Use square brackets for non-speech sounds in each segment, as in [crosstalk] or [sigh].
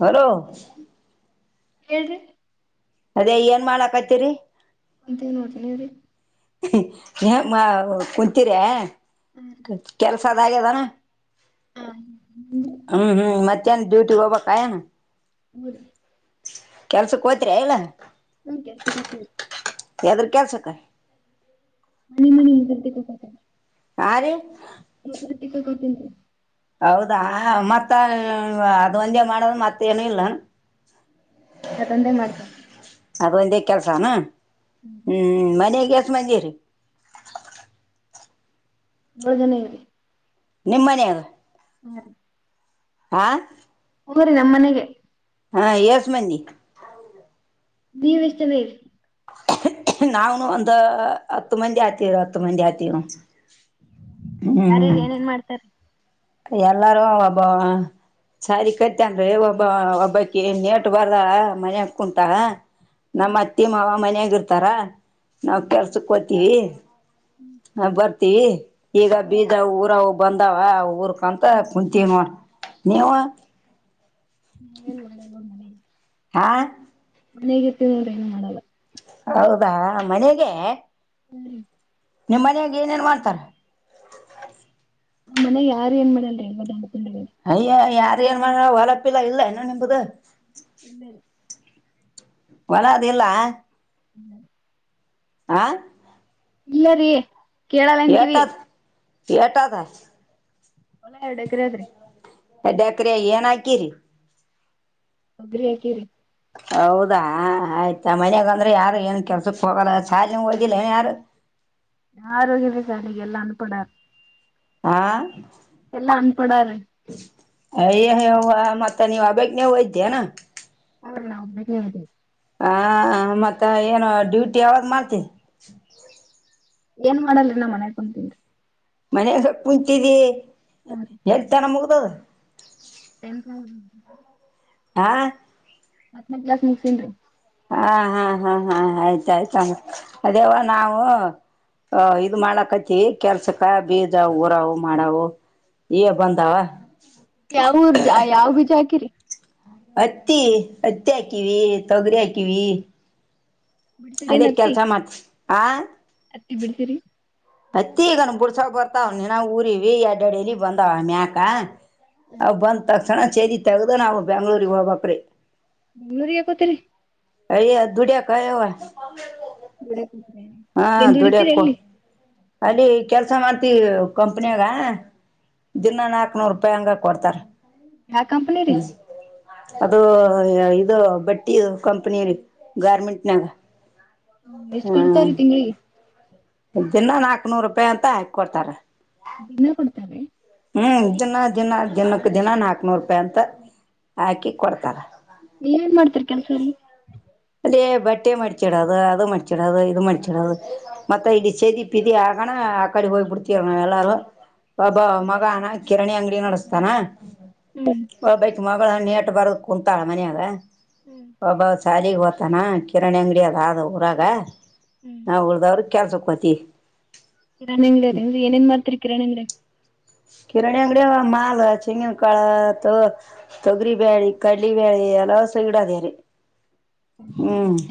Hello ಹೇಳಏ್ರಿ ಅದೇ ಏನ್ ಮಾಡಕತ್ತೀರಿ ಅಂತೇ ನೋಡನವ್ರೀ ಕುಂತೀರ ಕೆಲ್ಸ ಅದಾಗ್ಯದಾನ ಹಾ ಹ್ಮ್ ಹ್ಮ್ ಮತ್ತೇನ್ ಡ್ಯೂಟಿ ಹೋಗ್ಬಬೇಕಯ ಹ್ಮ ಕೆಲ್ಸಕ್ ಹೋಯತರ ಇಲ್ಲ ಕೆ ಯದ್ರ ಕೆಲ್ಸಕ್ಕ ಮ ಮಿ ನಿದತ ಕಪತ ಆ ರೀ ನಟಕ್ಕ ಕೊತೀನಿ ಹೌದಾ ಮತ್ತ ಅದ್ ಒಂದೇ ಮಾಡದು ಮತ್ತ ಏನು ಇಲ್ಲ ಇ ತಂದೆ ಮಾಡ್ತಾರೆ ಅದು ಒಂದೇ ಕೆಲ್ಸನಾ ಹ್ಮ್ ಮನೆಗೆ ಎಸ ಮಂದಿರಿ ನಳ ಜನ ಇರಿ ನಿಮ್ಮನ ಅದು ಹ್ಮ್ ಹಾ ಹೋ ರರಿ ನಮ್ಮ ಮನೆಗೆ ಹಾ ಯಶಮನ್ನಿ ದೀವಷ್ಟ ನೀರ್ ನಾವನು ಒಂದ ಹತ್ತು ಮಂದಿ ಆತವ ಹತ್ತು ಮಂದಿ ಆತವ ಯಾರ ಏನೇನ್ ಮಾಡ್ತಾರ ಎಲ್ಲಾರು ವಬ ಸಾರಿ ಕತೆ ಅನ್್ರೆ ಒಬ್ಬ ಒಬ್ಬಕನ್ ನೇಟ್ ಬಾರದ ಮನೆ ಹಾ ಕುಂಟ ನಮ್ಮ್ತ್ತಿ ಮಾ ಮನಯಗ ಇರ್ತಾರ ನಾವ್ ಕೆಲ್ಸಕ್ ಹೋತಿೀವಿ ಹ ಬರ್ತೀವಿ ಈಗ ಬೀಜ ಊರ ಬಂದಾವ ಊರ್ ಕಂತ ಕುಂತೀವಿ ನೋಡ ನೀವು ನಾವೇನ್ ಮಾಡ ನ ಮಳಿ ಆಾಂ ಮನೆಗಿರ್ತ್ತಿದ ನೋಡ್ರ ಏನು ಮಾಡಲ್ಲ ಹೌದಾ ಮನೆಗೆ ನಿಮ್ಮ್ ಮನಾಗ ಏನೇನ್ ಮಾಡ್ತಾರ ನಮ್ಮ್ನೆ ಯಾರ ಏನ್ ಮನ ಅಲ್ರಿ ಎ ಆಡ್ಕೊಂಡ ಅಯ್ಯ ಯಾರ ಏನ್ ಮಾಡ ಹೊಲಪಿಿಲ್ಲ ಇಲ್ಲ ಇನ್ನುೂ ನಿಂಬುದ ಇಲ್ಲ ವಳ ಅದ ಎಲ್ಲ ಹ್ಮ್ ಆಾ ಇಲ್ಲ ರೀ ಕೇಳಲ್ಲಂಕೀಿವಿ ಿಯಟದ ಹೊಲ ಎರಡ್ ಎಕರೆ ಅದ್ರಿ ಕ್ರ ಏನ್ ಹಾಕಿರಿ ಹೋಗ್ರಿ ಹಾಕಿರಿ ಹೌದಾ ಆಯ್ತಾ ಮನ್ಯಾಗಂದ್ರೆ ಯಾರು ಏನ್ ಕೆಲ್ಸಕ್ ಹೋಗಲ್ಲ ಶಾಲಿಂಗ ಹೋಗದಿಲ್ಲ ಏನ್ ಯಾರು ಹ ನಾ ಆರೋಗ್ಯತೆ ಸಾರಿಗೆ ಎಲ್ಲ ಅನುಪಣಾರೆ ಆಾ ಎಲ್ಲಾ ಅನ್ಪಡಾರೆ ಅಯ್ಯ ಮತ್ತೆ ನೀವು ಹಬಗ್ ನೀವು ಇದ್ದ್ಯಾನಾ ಅವಲ್ಲ ಒಮ್ಮ ಹೇಳ ಹ ಮತ್ತ ಏನು ಡ್ಯೂಟಿ ಯಾವಾಗ ಮಾಡ್ತಿ ಏನ್ ಮಾಡಲ್ರಿ ನಾ ಮನೆಯ ಕುತನ್ರಿ ಮನ ಸ್ ಕುಂತಿದಿ ಎಲ್ತನ ಮುಗ್ದದ ಟೆಂ ಹಾ ಮತ್ನೇ ಕ್ಲಾಸ್ ಮುಗಸನ್ಿ ಹಾ ಹಾ ಹಾ ಹಾ ಆಯ್ತಾಯ್ತ ಅದೇವಾ ನಾವು ಹ ಇದು ಮಾಡ್ಲಕತಿ ಕೆಲ್ಸಕ್ಕ ಬೀಜ ಊರವು ಮಾಡವು ಈ ಬಂದಾವಾ ಯಾವ ಯಾವ ಬೀಜಾಕಿರಿ ಹತ್ತಿ ಹತ್ತಿ ಹಾಕಿವ ತೊಗರಿ ಹಾಕಿವ ಬಿಡ್ಸಿರೇನ್ ಅದೇ ಹತ್ತಿ ಕೆಲಸ ಮಾಡ್ತವಿ ಆ ಹತ್ತಿ ಬಿಡ್ತೀರಿ ಪ್ರತಿಗನ ಬುಡ್ಸಕ ಬರ್ತಾವನ ಊರಿ ಅಡ್ಡ ಅಡಲಿ ಬಂದಾವ ಮ್ಯಾಕ ಅವ ಬಂದ್ ತಕ್ಸಣ ಚೇದ ತೆಗ್ದ ನಾವು ಬೆ್ಯಾಂಗ್ಳೂರ್ಗ್ ಹೋಗಬಕ್ರೀ ಬೆಂಗ್ಳೂರಿಗೆ ಯಾಕೋತಿೀರಿ ಅರಿ ಅಧೂರ್ಯಾ ಕಾಯವ ಡ್ರ ನ್ ಡಿತೀರ ದುಡಿಯಕು ಎಲ್ಲಿ ಅಲ್ಲಿ ಕೆಲ್ಸ ಮಾಡ್ತಿೀವಿ ಕಂಪ್ನಿಯಾಗ ದಿನ ನಾಕ್ನೂರು ರೂಪಾಯಿ ಹಂಗ ಕೊಡ್ತಾರ ಯಾವ ಕಂಪನಿ ರೀ ಅದು ಇದು ಬಟ್ಟಿ ಕಂಪನಿಲಿ ಗಾರ್ಮೆಂಟ್ನಾಗ ಹ್ಮ ಎಷ್ಟ್ ಕೊಡ್ತಾರೀ ತಿಂಗಳಿಗೆ ದಿನ ನಾಕ್ ನೂರು ರೂಪಾಯಿ ಅಂತ ಹಾಕ್ ಕೊೊಡ್ತಾರ ದಿನ ಕೊಡ್ತಾರೆ ಹ್ಮ್ ದಿನ ದಿನ ದಿನಕ್ಕ ದಿನ ನಾಕ್ನೂರು ರೂಪಾಯಿ ಅಂತ ಹಾಕಿ ಕೊಡ್ತಾರ ನೀ ಏನ್ ಮಾಡ್ತರಿ ಕೆಲ್ಸರಿೀ ಅಲ್ಲಿ ಬಟ್ಟೆ ಮಡಚಿಡದು ಅದು ಮಡ್ಚಿಡೋದು ಇದು ಮಡಚಿಡದು ಮತ್ತೆ ಇಲ್ಲಿ ಸದಿ ಪದಿ ಆಗೋಣ ಅಕ್ಕಡಿ ಹೋಗ್ ಬಿಡ್ತೀರ್ ಎಲ್ಲಾರು ಬಾಬಾ ಮಗಾನ ಕಿರಣಿ ಅಂಗಡಿ ನಡೆಸ್ತಾನ ಹ್ಮ್ ಮ ನೇಟ್ ಬರ ಕುೂಂತಾಳ ಮನಯಾಗ ಒಬ್ಬ ಶಾಲಗ್ ಹೊ ತಾನ ಕಿರಣಿ ಅಂಗಡಿ ಅದ ಆದ ಊರಾಗ ಹ್ಮ್ ನಾವು ಉಳ್ದವ್ರ ಕೆಲ್ಸಕ್ ಹೋತಿವಿ ಕಿರಣಾಣಿಂಗಳೇ ಏನೇನ್ ಮಾಡ್ತೀರಿ ಕಿರಣಾಣಿಂಗ ಕಿರಾಣಿ ಅಂಗಡಿಯ ಮಾಲ್ ಚೆಂಗಿನ ಕಾಳ ತ ತೊಗರಿ ಬ್ಯಾೇಳಿ ಕಡಲಿ ಬ್ಯಾೇಳೆ ಹಲಸ ಇಡದಾರೆ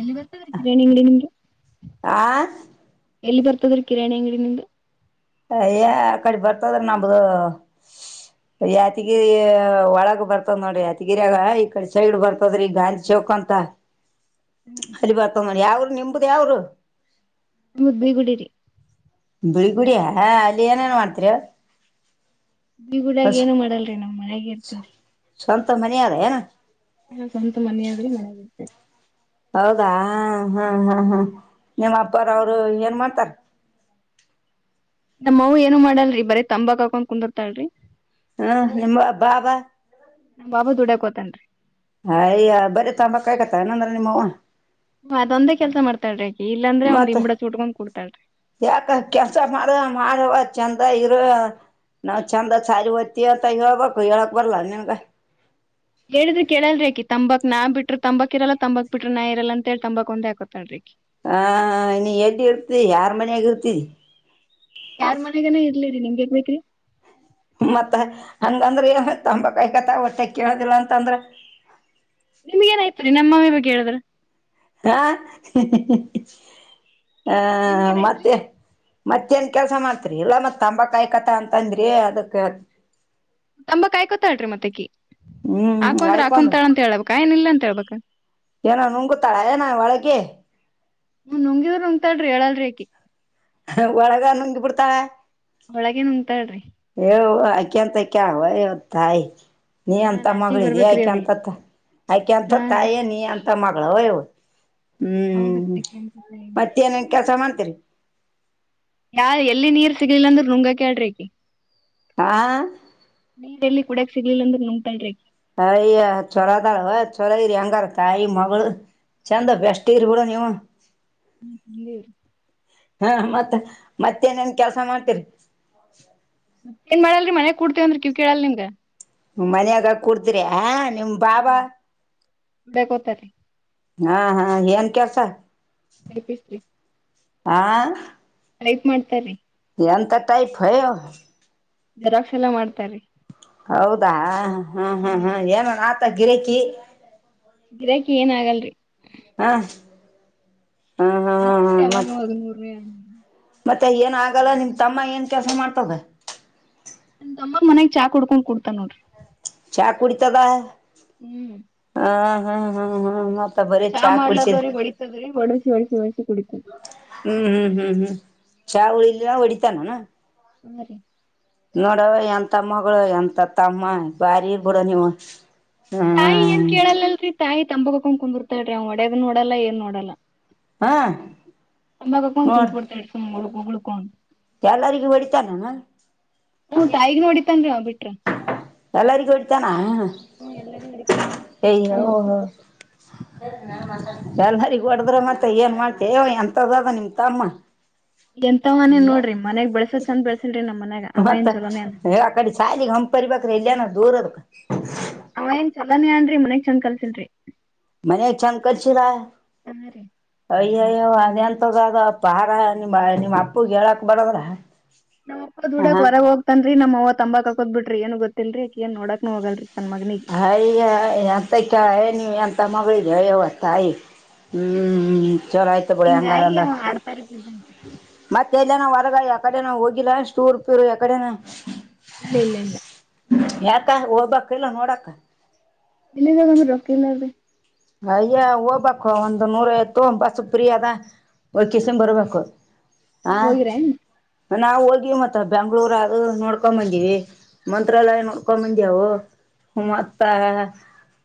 ಎಲ್ಲಿ ಬರ್ತೀರಾ ನಿಂಗಗೆ ನಿಂಗೆ ಆ ಎಲ್ಲಿ ಬರ್ತದ್ರೀ ಕಿರಾಣಿ ಅಂಗಡಿನಿಂದ ಅಯ್ಯ ಕಡಿ ಬರ್ತದ್ರ ನಂಬದು ಯಾತಿಗಿರಿ ಒಳಗ್ ಬರ್ತದ್ ನೋಡಿ ಯಾತಿಗಿರಿಯಗ ಈ ಕಡೆ ಸೈಡ್ ಬರ್ತದ್ರ ಈ ಗಾಂಧಿ ಕಂತ ಅರಿ ಬರ್ತ ನೋಿ ಯಾವರು ನಿಮ್ದ ಯಾವರು ಮುದೇಗುಡಿರಿ ಬಿಳಿ ಗುಡಿಯ ಹ ಅಲ್ಲಿ ಏನೇನ್ ಮಾಡ್ತಿರ ಈಗೂಡಾಗ ಏನು ಮಾಡಲ್ರಿ ನಮ್ ಮನೆಗ ಇರ್ತಿರಿ ಸ್ವಂತ ಮನಾರ ಹ ಸ್ವಂತ ಮನಾದ್ರಿ ಮನಾಗ ಹ್ಮ ಹ್ಮ್ ಹ್ಮ್ ಹ್ಮ್ ನಿಮ್ಮ್ ಅಪ್ಪಾರವರು ಏನ್ ಮಾಡ್ತಾರ ನಮ್ಮ್ ಅವು ಏನು ಮಾಡಲ್ರಿ ಬರೀ ತಂಬಾ ಹಾಕೊಂಡ್ ಕುಂದಿರ್ತಾಲ್ರರಿ ಹ್ಮ ನಿಮ ಬಾಬಾ ನಮ್ ಬಾಬಾ ದುಡಕೋತೇನ್ರಿ ಹಯ ಬರಿೀ ತಂಬ ಕಾಯಕತ್ತ ಇಏನಂದ್ರ ನಿಮ್ಮ ಹ್ಮ ಅದೊಂದೇ ಕೆಲ್ಸ ಮಾಡ್ತಾಳ್ರಿ ಆಕಿ ಇಲ್ಲಾಂದ್ರೆ ಒಂದ್ ಮತ್ತ ಇಂಬಡ ಚುಟ್ಕೊಂಡ್ ಕೂಡ್ತಾಳ್ರಿ. ಯಾಕ ಕೆಲ್ಸ ಮಾಡುವ ಮಾಡುವ ಚಂದ ಅ ಇರುವ ನಾವ್ ಚಂದ ಸಾರಿ ್ತಿೀ ಅಂತ ಹೇಳ್ಬೇಕು ಹೇಳಕ್ ಬರ್ಲ್ಲಾ ನಿನ್ಗ ಹೇಳಿದ್ರ ಕೇಳಲ್ರಿೀಿ ತಂಬಾಕ್ ನಾ ಬಿಟ್ಟರು ತಂಬಾಕ್ ಇರಲ್ಲಾ ತಂಬಾಕ್ ಬಿಟರು ನಾ ಇರಲ್ಲ ಅಂತ ಹೇಳಿ ತಂಬಾಕ್ ಒಂದೇಾಕೋತಾಳರಿೀಿ ಹಾ ನೀ ಎಡ್ ಇರ್ತ ಯಾರ್ ಮನಯಾಗ ಇರ್ತರಿ ಯಾರ್ ಮನಗನ ಇರ್ಲಿರಿ ನಿಮ್ಗೆೇಬೇಕ್ರಿ ಮತ್ತ ಹಂಗಂದ್ರೆ ತಂಬಕಾಯಿ ಕತ ಹೊಟ್ಟೆ ಕೇಳದಿಲ್ಲ ಅಂತಂದ್ರ ನಿಮ್ಗ ಏನಾಯಯ್ತರಿ ನಮ್ಮಮ್ಮಿ ಬಗ್ಗೆ ಹೇಳಿದ್ರ ಹಾ ಹ ನಿಮ್ಗ್ ಏನ್ ಆಯ್ತ್ರಿ. ಮತ್ತೆ ಮತ್ತೇಏನ್ ಕೆಲ್ಸ ಮಾಡ್ತ್ರಿ ಇಲ್ಲ ಮತ್ ತಂಬಾಕಯ್ಕತ ಅಂತಂದ್ರಿ ಅದಕ್ಕೆ ತಂಬ ಕಾಯಿ ಕೊತಾಳ್ರಿ ಮತ್ತಕ ಹ್ಮ್ ಹಾಕಂದ್ರ ಆಯ್ಕೊಂಡ್ ಹಾಕೊಂತಾಳ ಅಂತ ಹೇಳಳ್ಬೇಕ ಏನ ಇಿಲ್ಲ ಅಂತ ಹೇಳ್ಬಬೇಕ ಏನೋ ನನ್ ಗೂತಾಳಏನ ಒಳಗೆ ಹ್ಮ ನುಂಗಿದ್ರ ನಂಗತಲ್ರಿ ಹೇಳಲ್ರಿ ಕಿ ಒಳಗ ನುಂಗಿ ಬಿಡ್ತ ಒಳಗ ನಂಂತಾಳ್ರಿ ಹವ ಆ ಕಂತ ಕ ಹತಾಯ ನೀ ಹಾ ಎಂತ ನಾಚಿಕ್ ಮಗಳಿದಿ ಬರ್ಬೇಕ್ರಿ ಅವ್ರಿಗೆ. ಆಯ್ಕಂತ ಆಯ್ಕಂತ ತಾಯೇ ನೀ ಅಂತ ಮಳ ಯ್ ಹೌದು ಹ್ಮ್ ಅಕಿ ಅನ್ಸುತ್ತೆ ಇಲ್ರಿ ಮತ್ತ ನೇನ್ ಕೆಲಸ ಮಾಡ್ತರಿ [inaudible] ಯಾ ಎಲ್ಲಿ ನೀರ್ ಸಿಗ್ಲಿಲ್ಲಾಂದ್ರ ನುಂಗಕ್ಯಾಡ್ರಿಕಿ ಆ ಕುಡಕ್ ಸಿಗ್ಲಿಲ್ಲ ಅ್ರ ನೋತಲ್ರರಿ ಅಯ್ಯ ಚೊರದಾರುವ ಚೊರಾಗಿೀರಿ ಹೆಂಗಾರ ತಾಯಿ ಮಗಳು ಚಂದ ಬೆ್ಯಸ್ಟ್ ಇರಿೂಡ ನೀವು ಹ್ಮಂದರು ಹಾ ಮತ್ತ ಮತ್ತೇನೇನ್ ಕೆಲ್ಸ ಮಾಡ್ತರಿ ಏನ್ ಮಾಡಲ್ರಿ ಮನೆಗ್ ಕುೂಡ್ತೇವಂದ್ರಿ ಕಿವ್ ಕೇಳಲ್ ನಿಮಗ ಮನ್ಯಾಗ ಕುಡ್ತ್ರಿ ಹ ನಿಮ ಬಾಬಾ ಬೇಕೊತ್ತರಿ ಹಾ ಹಾ ಏನ್ ಕೆಲ್ಸ ಎಪ ಸ್ೀ ಆಾ ಟೈಪ್ ಮಾಡ್ತಾರೆ ರೀ ಎಂತ ಟೈಪ್ ಹೋ ಜರಾಕ್ಸ್ ಎಲ್ಲ ಮಾಡ್ತಾರೆ ಹೌದಾ ಹಾ ಹಾ ಹಾ ಏನ ಆತ ಗಿರಕಿ ಗಿರಾಕಿ ಏನ್ ಆಗಲ್ರಿ ಹಾ ಹಾ ಹಾ ಹಾ ಹಾ ಆತದ್ರೀ ಮತ್ ಯಾವಾಗಾವಾಗ ಮೂರ ಮತ್ತೆ ಏನ ಆಗಲ್ಲ ನಿಮ್ಮ ತಮ್ಮ ಏನ್ ಕೆಲಸ ಮಾಡ್ತದೆ ತಂಬಾ ಮನಾಗ್ ಚಾ ಕುಡ್ಕೊಂಡ್ ಕುಡ್ತಾ ನೋಡ್ರಿ ಚ ಕುಡಿತದ ಹ್ಮ್ ಹ್ಮ್ ಹ್ಮ್ ಹ್ಮ್ ಬರ ಚಾ ಕುಡಚ ಮಾಡ್ಲಾರ್ದವ್ರಿಗ್ ಹೊಡಿತದ್ರಿ ಹೊಡಸಿ ಹೊಡಸಿ ಹೊಡಸಿ ಕುಡಿತದ ಹ್ಮ್ ಹ್ಮ್ ಹ್ಮ್ ಹ್ಮ್ ಚಾವಳ ಇಲ್ಲಲ್ಲ ಹೊಡಿತಾನುಣ ಹ್ಮರಿೀ ನೋಡವ ಎಂತ ಮಗಳು ಎಂತ ತಮ್ಮ ಬಾರಿ ಬಿಡ ನೀವು ತಾಯಿ ಏನ್ ಹ್ಮ್ ಕೇಳಲ್ಲಲ್ರರಿ ತಾಯಿ ತಂಬಕೊಂಡ್ಕೊಂಡ್ಿರ್ತಾಳ್ರಿ ಅವ್ ಒಡ್ಯದ್ ನೋಡಲ್ಲ ಏನ್ ನೋಡಲ್ಲ ಹಾ ತಂಬಕಕ್ಕ ಕುಟು ಬಿಡ್ತಾ ಇಡ್ತ ಉಗುಳು ಉಕ ಎಲ್ಲರಿಗೆ ಹೊಡಿತಾನ ನ ಹ ತಾಯಿಗ್ ನೋಡಿತನ್ೀ ನ ಬಿಟ್ಟ ಎಲ್ಲರಿಗೂ ಹೊಡಿತಾನೆ ಹ್ಮ್ ಎಲ್ಲರಿಗೂ ಹೊಡಿತಾನ ಎ ಓ ನಮ್ಮಪ್ಪ ಹ ಒಬ್ಬಾಕೆ. ಶಾರಿ [unintelligible] ಹೊಡದ್ರ ಮತ್ತೆ ಏನ್ ಮಾಡ್ತೆವ ಎಂತದದ ನಿಮ ತಮ್ಮ ಎಂತ ಮನಿ ನೋಡ್ರಿ ಮನ್ಯಾಗ ಬೆಳಸೋತ್ ಚಂದ ಬೆಳಸಿಲ್ರಿ ನಮ್ಮ್ ಮನ್ಯಾಗ ಅವ ನ್ ಚಲೋನೇನ್ ಹಂಪರಿ ಬ್ರೆ ಇಲ್ಲಯಾನ ದೂರ ಅದ ಹಾ ಏನ್ ಚಲನಿ ಅನ್ರರಿ ಮನ್ಗ್ ಚಂದ್ ಕಲ್ಸಿನ್ರರಿ ಮನೆ ಚಂದ್ ಕಟ್ಸಾನಾ ರೀ. ಮನೆಂತದ ಅ ಪಹಾರ ನಿಮ್ಮ ನಿಮ್ಮ್ ಅಪ್ಪ ಹೇಳಕ್ ಬರದ್ರ ನಮ್ಮ್ಪ್ಪ ದುಡಾಕ್ ಹ ಹೊರಗ್ೋಗತನ್ರಿ ನಮ್ಮ್ವ ತಂಬಾಕದ್ ಬಿ್ರಿ ಏನು ಗೊತ್ತಲ್ರಿ ಏನ್ ನೋಡಕ್ ಹೋಗಲ್ರಿ ತನ್ ಮಗನಿಗೆ. ಹಯ ಎಂತ ಕ ನೀ ಎ ತಮಗ್ರ ಜಯವ ತಾಯ ಹ ಚಲೋ ಆಯ್ತು ಬಿಳ ಹಂಗಾರ ಹಿಂಗಾಗಿ ಅಂದ್ರ ಅವ ಆಡ್ತಾರ ಇದ್ದಿದ್ದಂತ. ಮತ್ತುೆ ತಲ್ಲ ನಾವು ಹೊರಗ ಯಕಡೆ ನಾವು ಹೋಗಿಲ್ಲ ಸ್ಟೂರ್ ಪೂರ್ ಎಕಡೆ ಇಲ್ಲ ಇಲ್ಲ ಇಲ್ಲ ಯಾಕ ಹೋಗ್ಬೇಕ ಇಲ್ಲ ನೋಡಕ ಇೇ ಜಾಗರು ರೋಕಿಲ್ಲದ ಅಯ್ಯ ಹ ಓಬಕ್ ಒಂದ್ ನೂರ ಯ್ತು ಬಸು ಪಿಯ ಅದ ಒಕಸನ್ ಬರಬೇಕ ನೀವ್ ಹೋಗಿರೆ ನಾವವು ಹೋಗಿವ ಮತ್ತ ಬೆಂಗ್ಳೂರ್ ಅದು ನೋಡ್ಕೊ ಬಂದಿವವಿ ಮಂತ್ರಾಲಯ ನೋಡ್ಕೋ ಬಂದ್ಯಾ ಹ ಮಾತ್ತಾ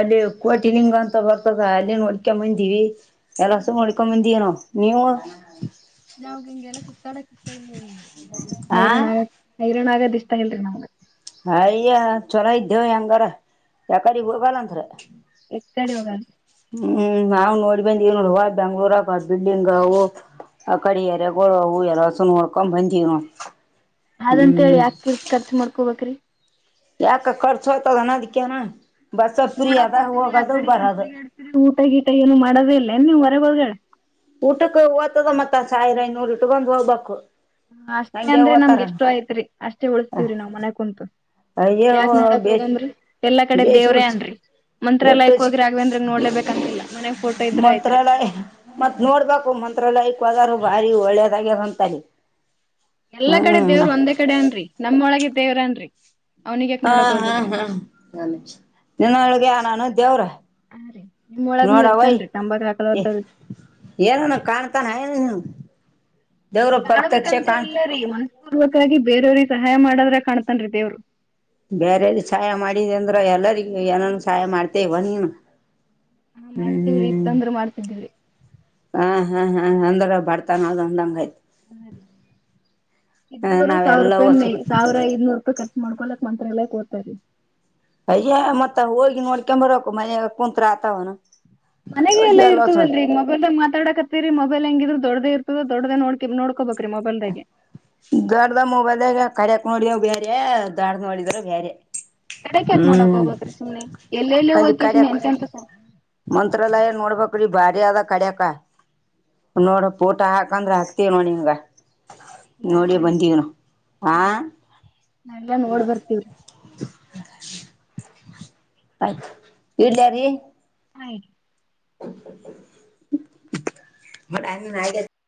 ಅಲ್ಲಿ ಕೋಟಿಲಿಂಗಂತ ಸ ಬರ್ತದ ಅಲ್ಲಿ ನೋಡ್ಕೊಂಬಂದಿವವಿ ಎಲ್ಲಸ ನೋಡ್ಕೊಂಬಂದಿನೋ ನೀವು ನಾವಾಗ ಹಿಂಗೆಲ್ಲ ಸುತ್ತಾಡಕತ್ತ ಇಲ್ ಆ ಹೈರಾನಾ ಆದ ಇಷ್ಟಾ ಇಲ್ರಿ ನಮ್ಗೆ ಅಯ್ಯ ಚೊಲೋ ಇದ್ದೇವು ಹೆಂಗಾರ ಯಾಕಾರಿಿಗೆ ಹೋಗಲ್ಲಂದ್ರ ಎಕಡೆ ಹೋಗ ಹ್ಮ್ ನಾವವು ನೋಡಿ ಬಂದ ನೋಡ ಹೊ ಬೆಂಗ್ಳೂರಕ ಬಿಲ್ಡಿಂಗ್ ಅವವು ಆ ಕಡಿಯಾರೆ ಗೋ ಹೂ ಎಲ್ಲ ಸುನ್ ನೋಡ್ಕೊಂಡ್ ಬಂದೀ್ನು ಅದಂತ ಹೇಳಿ ಯಾಕಿರ್ತಿ ಖರ್ಚು ಮಾಡ್ಕೋಬೇಕ್ರಿ ಯಕ ಕರ್ಚ ಹತನ ದಿ ಕನಾ ಮತ್ತತ್ ನೋಡಾಕ್ ಹತತಿರಿ ಆ ಕಡೆಡರಿಡತರಿ ಊಟ ಗೀಟ ಏನು ಮಾಡೋದೇ ಇಲ್ಲೇ ನೀವ್ ಹೊರ ಬಳ ಊಟಕ್ಕೆ ಓ್ತದ ಮತ್ತ ಸಾವಿರ ಐನೂರು ಇಟ್ಟಕೊಂದ್ ಹೋಗ್ಬೇಕು ಅಷ್ಟೇ ಹಂಗೆ ಅಂದ್ರೆ ನಮ್ಗೆ ಓದ್ತಾರನ ಎಷ್ಟೋ ಆಯ್ತ್ರಿ ಅಷ್ಟೇ ಉಳಿಸತೀವ್ರಿ ನಾವ್ ಮನೆಕ್ ಕುಂಂತು ಅಯ್ಯವ್ವ ಯಾಕ್ ನೋಡಕ್ ಬೇಸ್ ಹೋಗಂದ್ರಿ ಎಲ್ಲಾ ಕಡೆ ದೇವ್ರೇ ಅನ್ರಿ ಮಂತ್ರಾಲಯಕ್ ಕೆಟ್ಟಜ ಹೋಗಿ ರಾಘವೇಂದ್ರಗ್ ನೋಡ್ಲೇಬೇಕಂತಿಲ್ಲ ಮನ್ಯಾಗ ಫೋಟೋ ಇದ್ರ ಆಯ್ತ್ರಿ ಮಂತ್ರಾಲಯ ಮತ್ತ್ ನೋಡ್ಬೇಕು ಮಂತ್ರಾಲಯಕ್ಗ ಬಾರಿ ಒಳ್ಳೇದಾಗೆ ಹೊಂತಾರೆ ಎಲ್ಲಾ ಕಡೆ ದೇವರು ಒಂದೇ ಕಡೆ ಅನ್ರರಿ ನಮ್ಮ ಒಳಗ ದೇವ್ರ ಅನ್ರರಿ ಹಾ ಹಾ ಹಾ ನಿಿನಳಗೆ ಆನಾನ ದವ್ರ ಹಾ ರೀ ನಿಮ್ಮೊಳಗ್ನು ನೋಡಯ ಇರ್ತಾನ್ರಿ ತಂಬಾಕ್ ಹಾಕಲೋರ್ದ ಏನನು ಕಾಣ್ತಾನ ಏನು ದೇವ್ರ ಪ್ರತ್ಯಕ್ಷ ಕಾಣ್ಬೇಕಂತ ಕಾಣ್ ಇಲ್ಲ ರೀ ಮನಸ್ಪೂರ್ವಕರಾಗಿ ಬೇರೆಯವ್ರಿಗೆ ಸಹಾಯ ಮಾಡದ್ರ ಕಾಣ್ತನ್ ರೀತಿ ಅವ್ರು ಬೇರೆ ಸಹಾಯ ಮಾಡಿದ ಅಂದ್ರ ಎಲ್ಲರಿಗ ಏನನ್ ಸಹಾಯ ಮಾಡ್ತೇ ಇವ ನೀನು ಹಾ ಮಾಡ್ತವ್ರಿ ಇ ಹ್ಮ್ ತಂದ್ರ ಮಾಡ್ತಿದ್ದೀವ್ರಿ ಹಾ ಹಾ ಹಾ ಅಂದಾಗ ಬರ್ತಾನ ಅ ಅಂದಂಗ ಆಯತು ಹಾ ರೀ ಹ ಇದವರು ಸಾವಿರ ನಾವೆಲ್ಲ ಹೊಸು ರೂಪಾಯಿ ಸಾವಿರ ಐದನೂರು ರೂಪಾಯಿ ಕಟ್ಟ ಮಾಡ್ಕೊಲಕ್ ಮಂತ್ರ ಎಲ್ಲ ಹತರಿ ಅಯ್ಯ ಮತ್ತತ್ ಹೋಗಿ ನೋಡ್ಕೊ ಬರ್ಬೇಕಕು ಮನಯ ಕುಂತ್ ಆತವನು ಮನೆಗೆ ಎಲ್ಲ ಇರ್ತದಲ್ರಿ ಮೊಬಲ್ಾಗ ಮಾತಾಡಕತ್ತೀರಿ ಮೊಬೈಲ್ ಹೆಂಗಿದ್ರ್ ದೊಡ್ಡದ ಇರ್ತದ ದೊಡ್ಡ್ದ ನೋ ನೋಡ್ ನೋಡ್ಕೋಬೇಕ್ರಿ ಮೊಬೈಲ್ದಾಗೆ ಗಾಡ್ದ ಮೊಬೈಲ್ಾಗ ಕರಕ್ ನೋಡಿದವ ಬೇರೆ ದಾಡ್ ನೋಡಿದಾರ ಬ್ಯರೆ ಕಡೆ ಕ್ಯಾಕ್ ನೋಡಕ್ೋಗಬೇಕ್ರೀ ಸುಮ್ನೆ ಎಲ್ಲೆಲ್ಲಿ ಹೋಗ್ಕ ಸನಿ ಎಂತಂತಸ ಮಂತ್ರಾಲಯಏನ್ ನೋಡ್ಬೇಕ್ರಿ ಬಾರಿ ಆದದ ಕಡ್ಯಕ ನೋಡ ೋಟ ಹಾಕಂದ್ರೆ ಹಕ್ತವ ನೋಡಿ ಹಂಗ ನೋಡಿ ಬಂದಿವ್ನು ನ ನ ಎಲ್ಲ ನೋಡ್ ಬರ್ತವ್ರಿ [inaudible] ಆಯ್ತ ಇ್ದ್ಯಾರಿೀ ಆಯ್ತು ಮ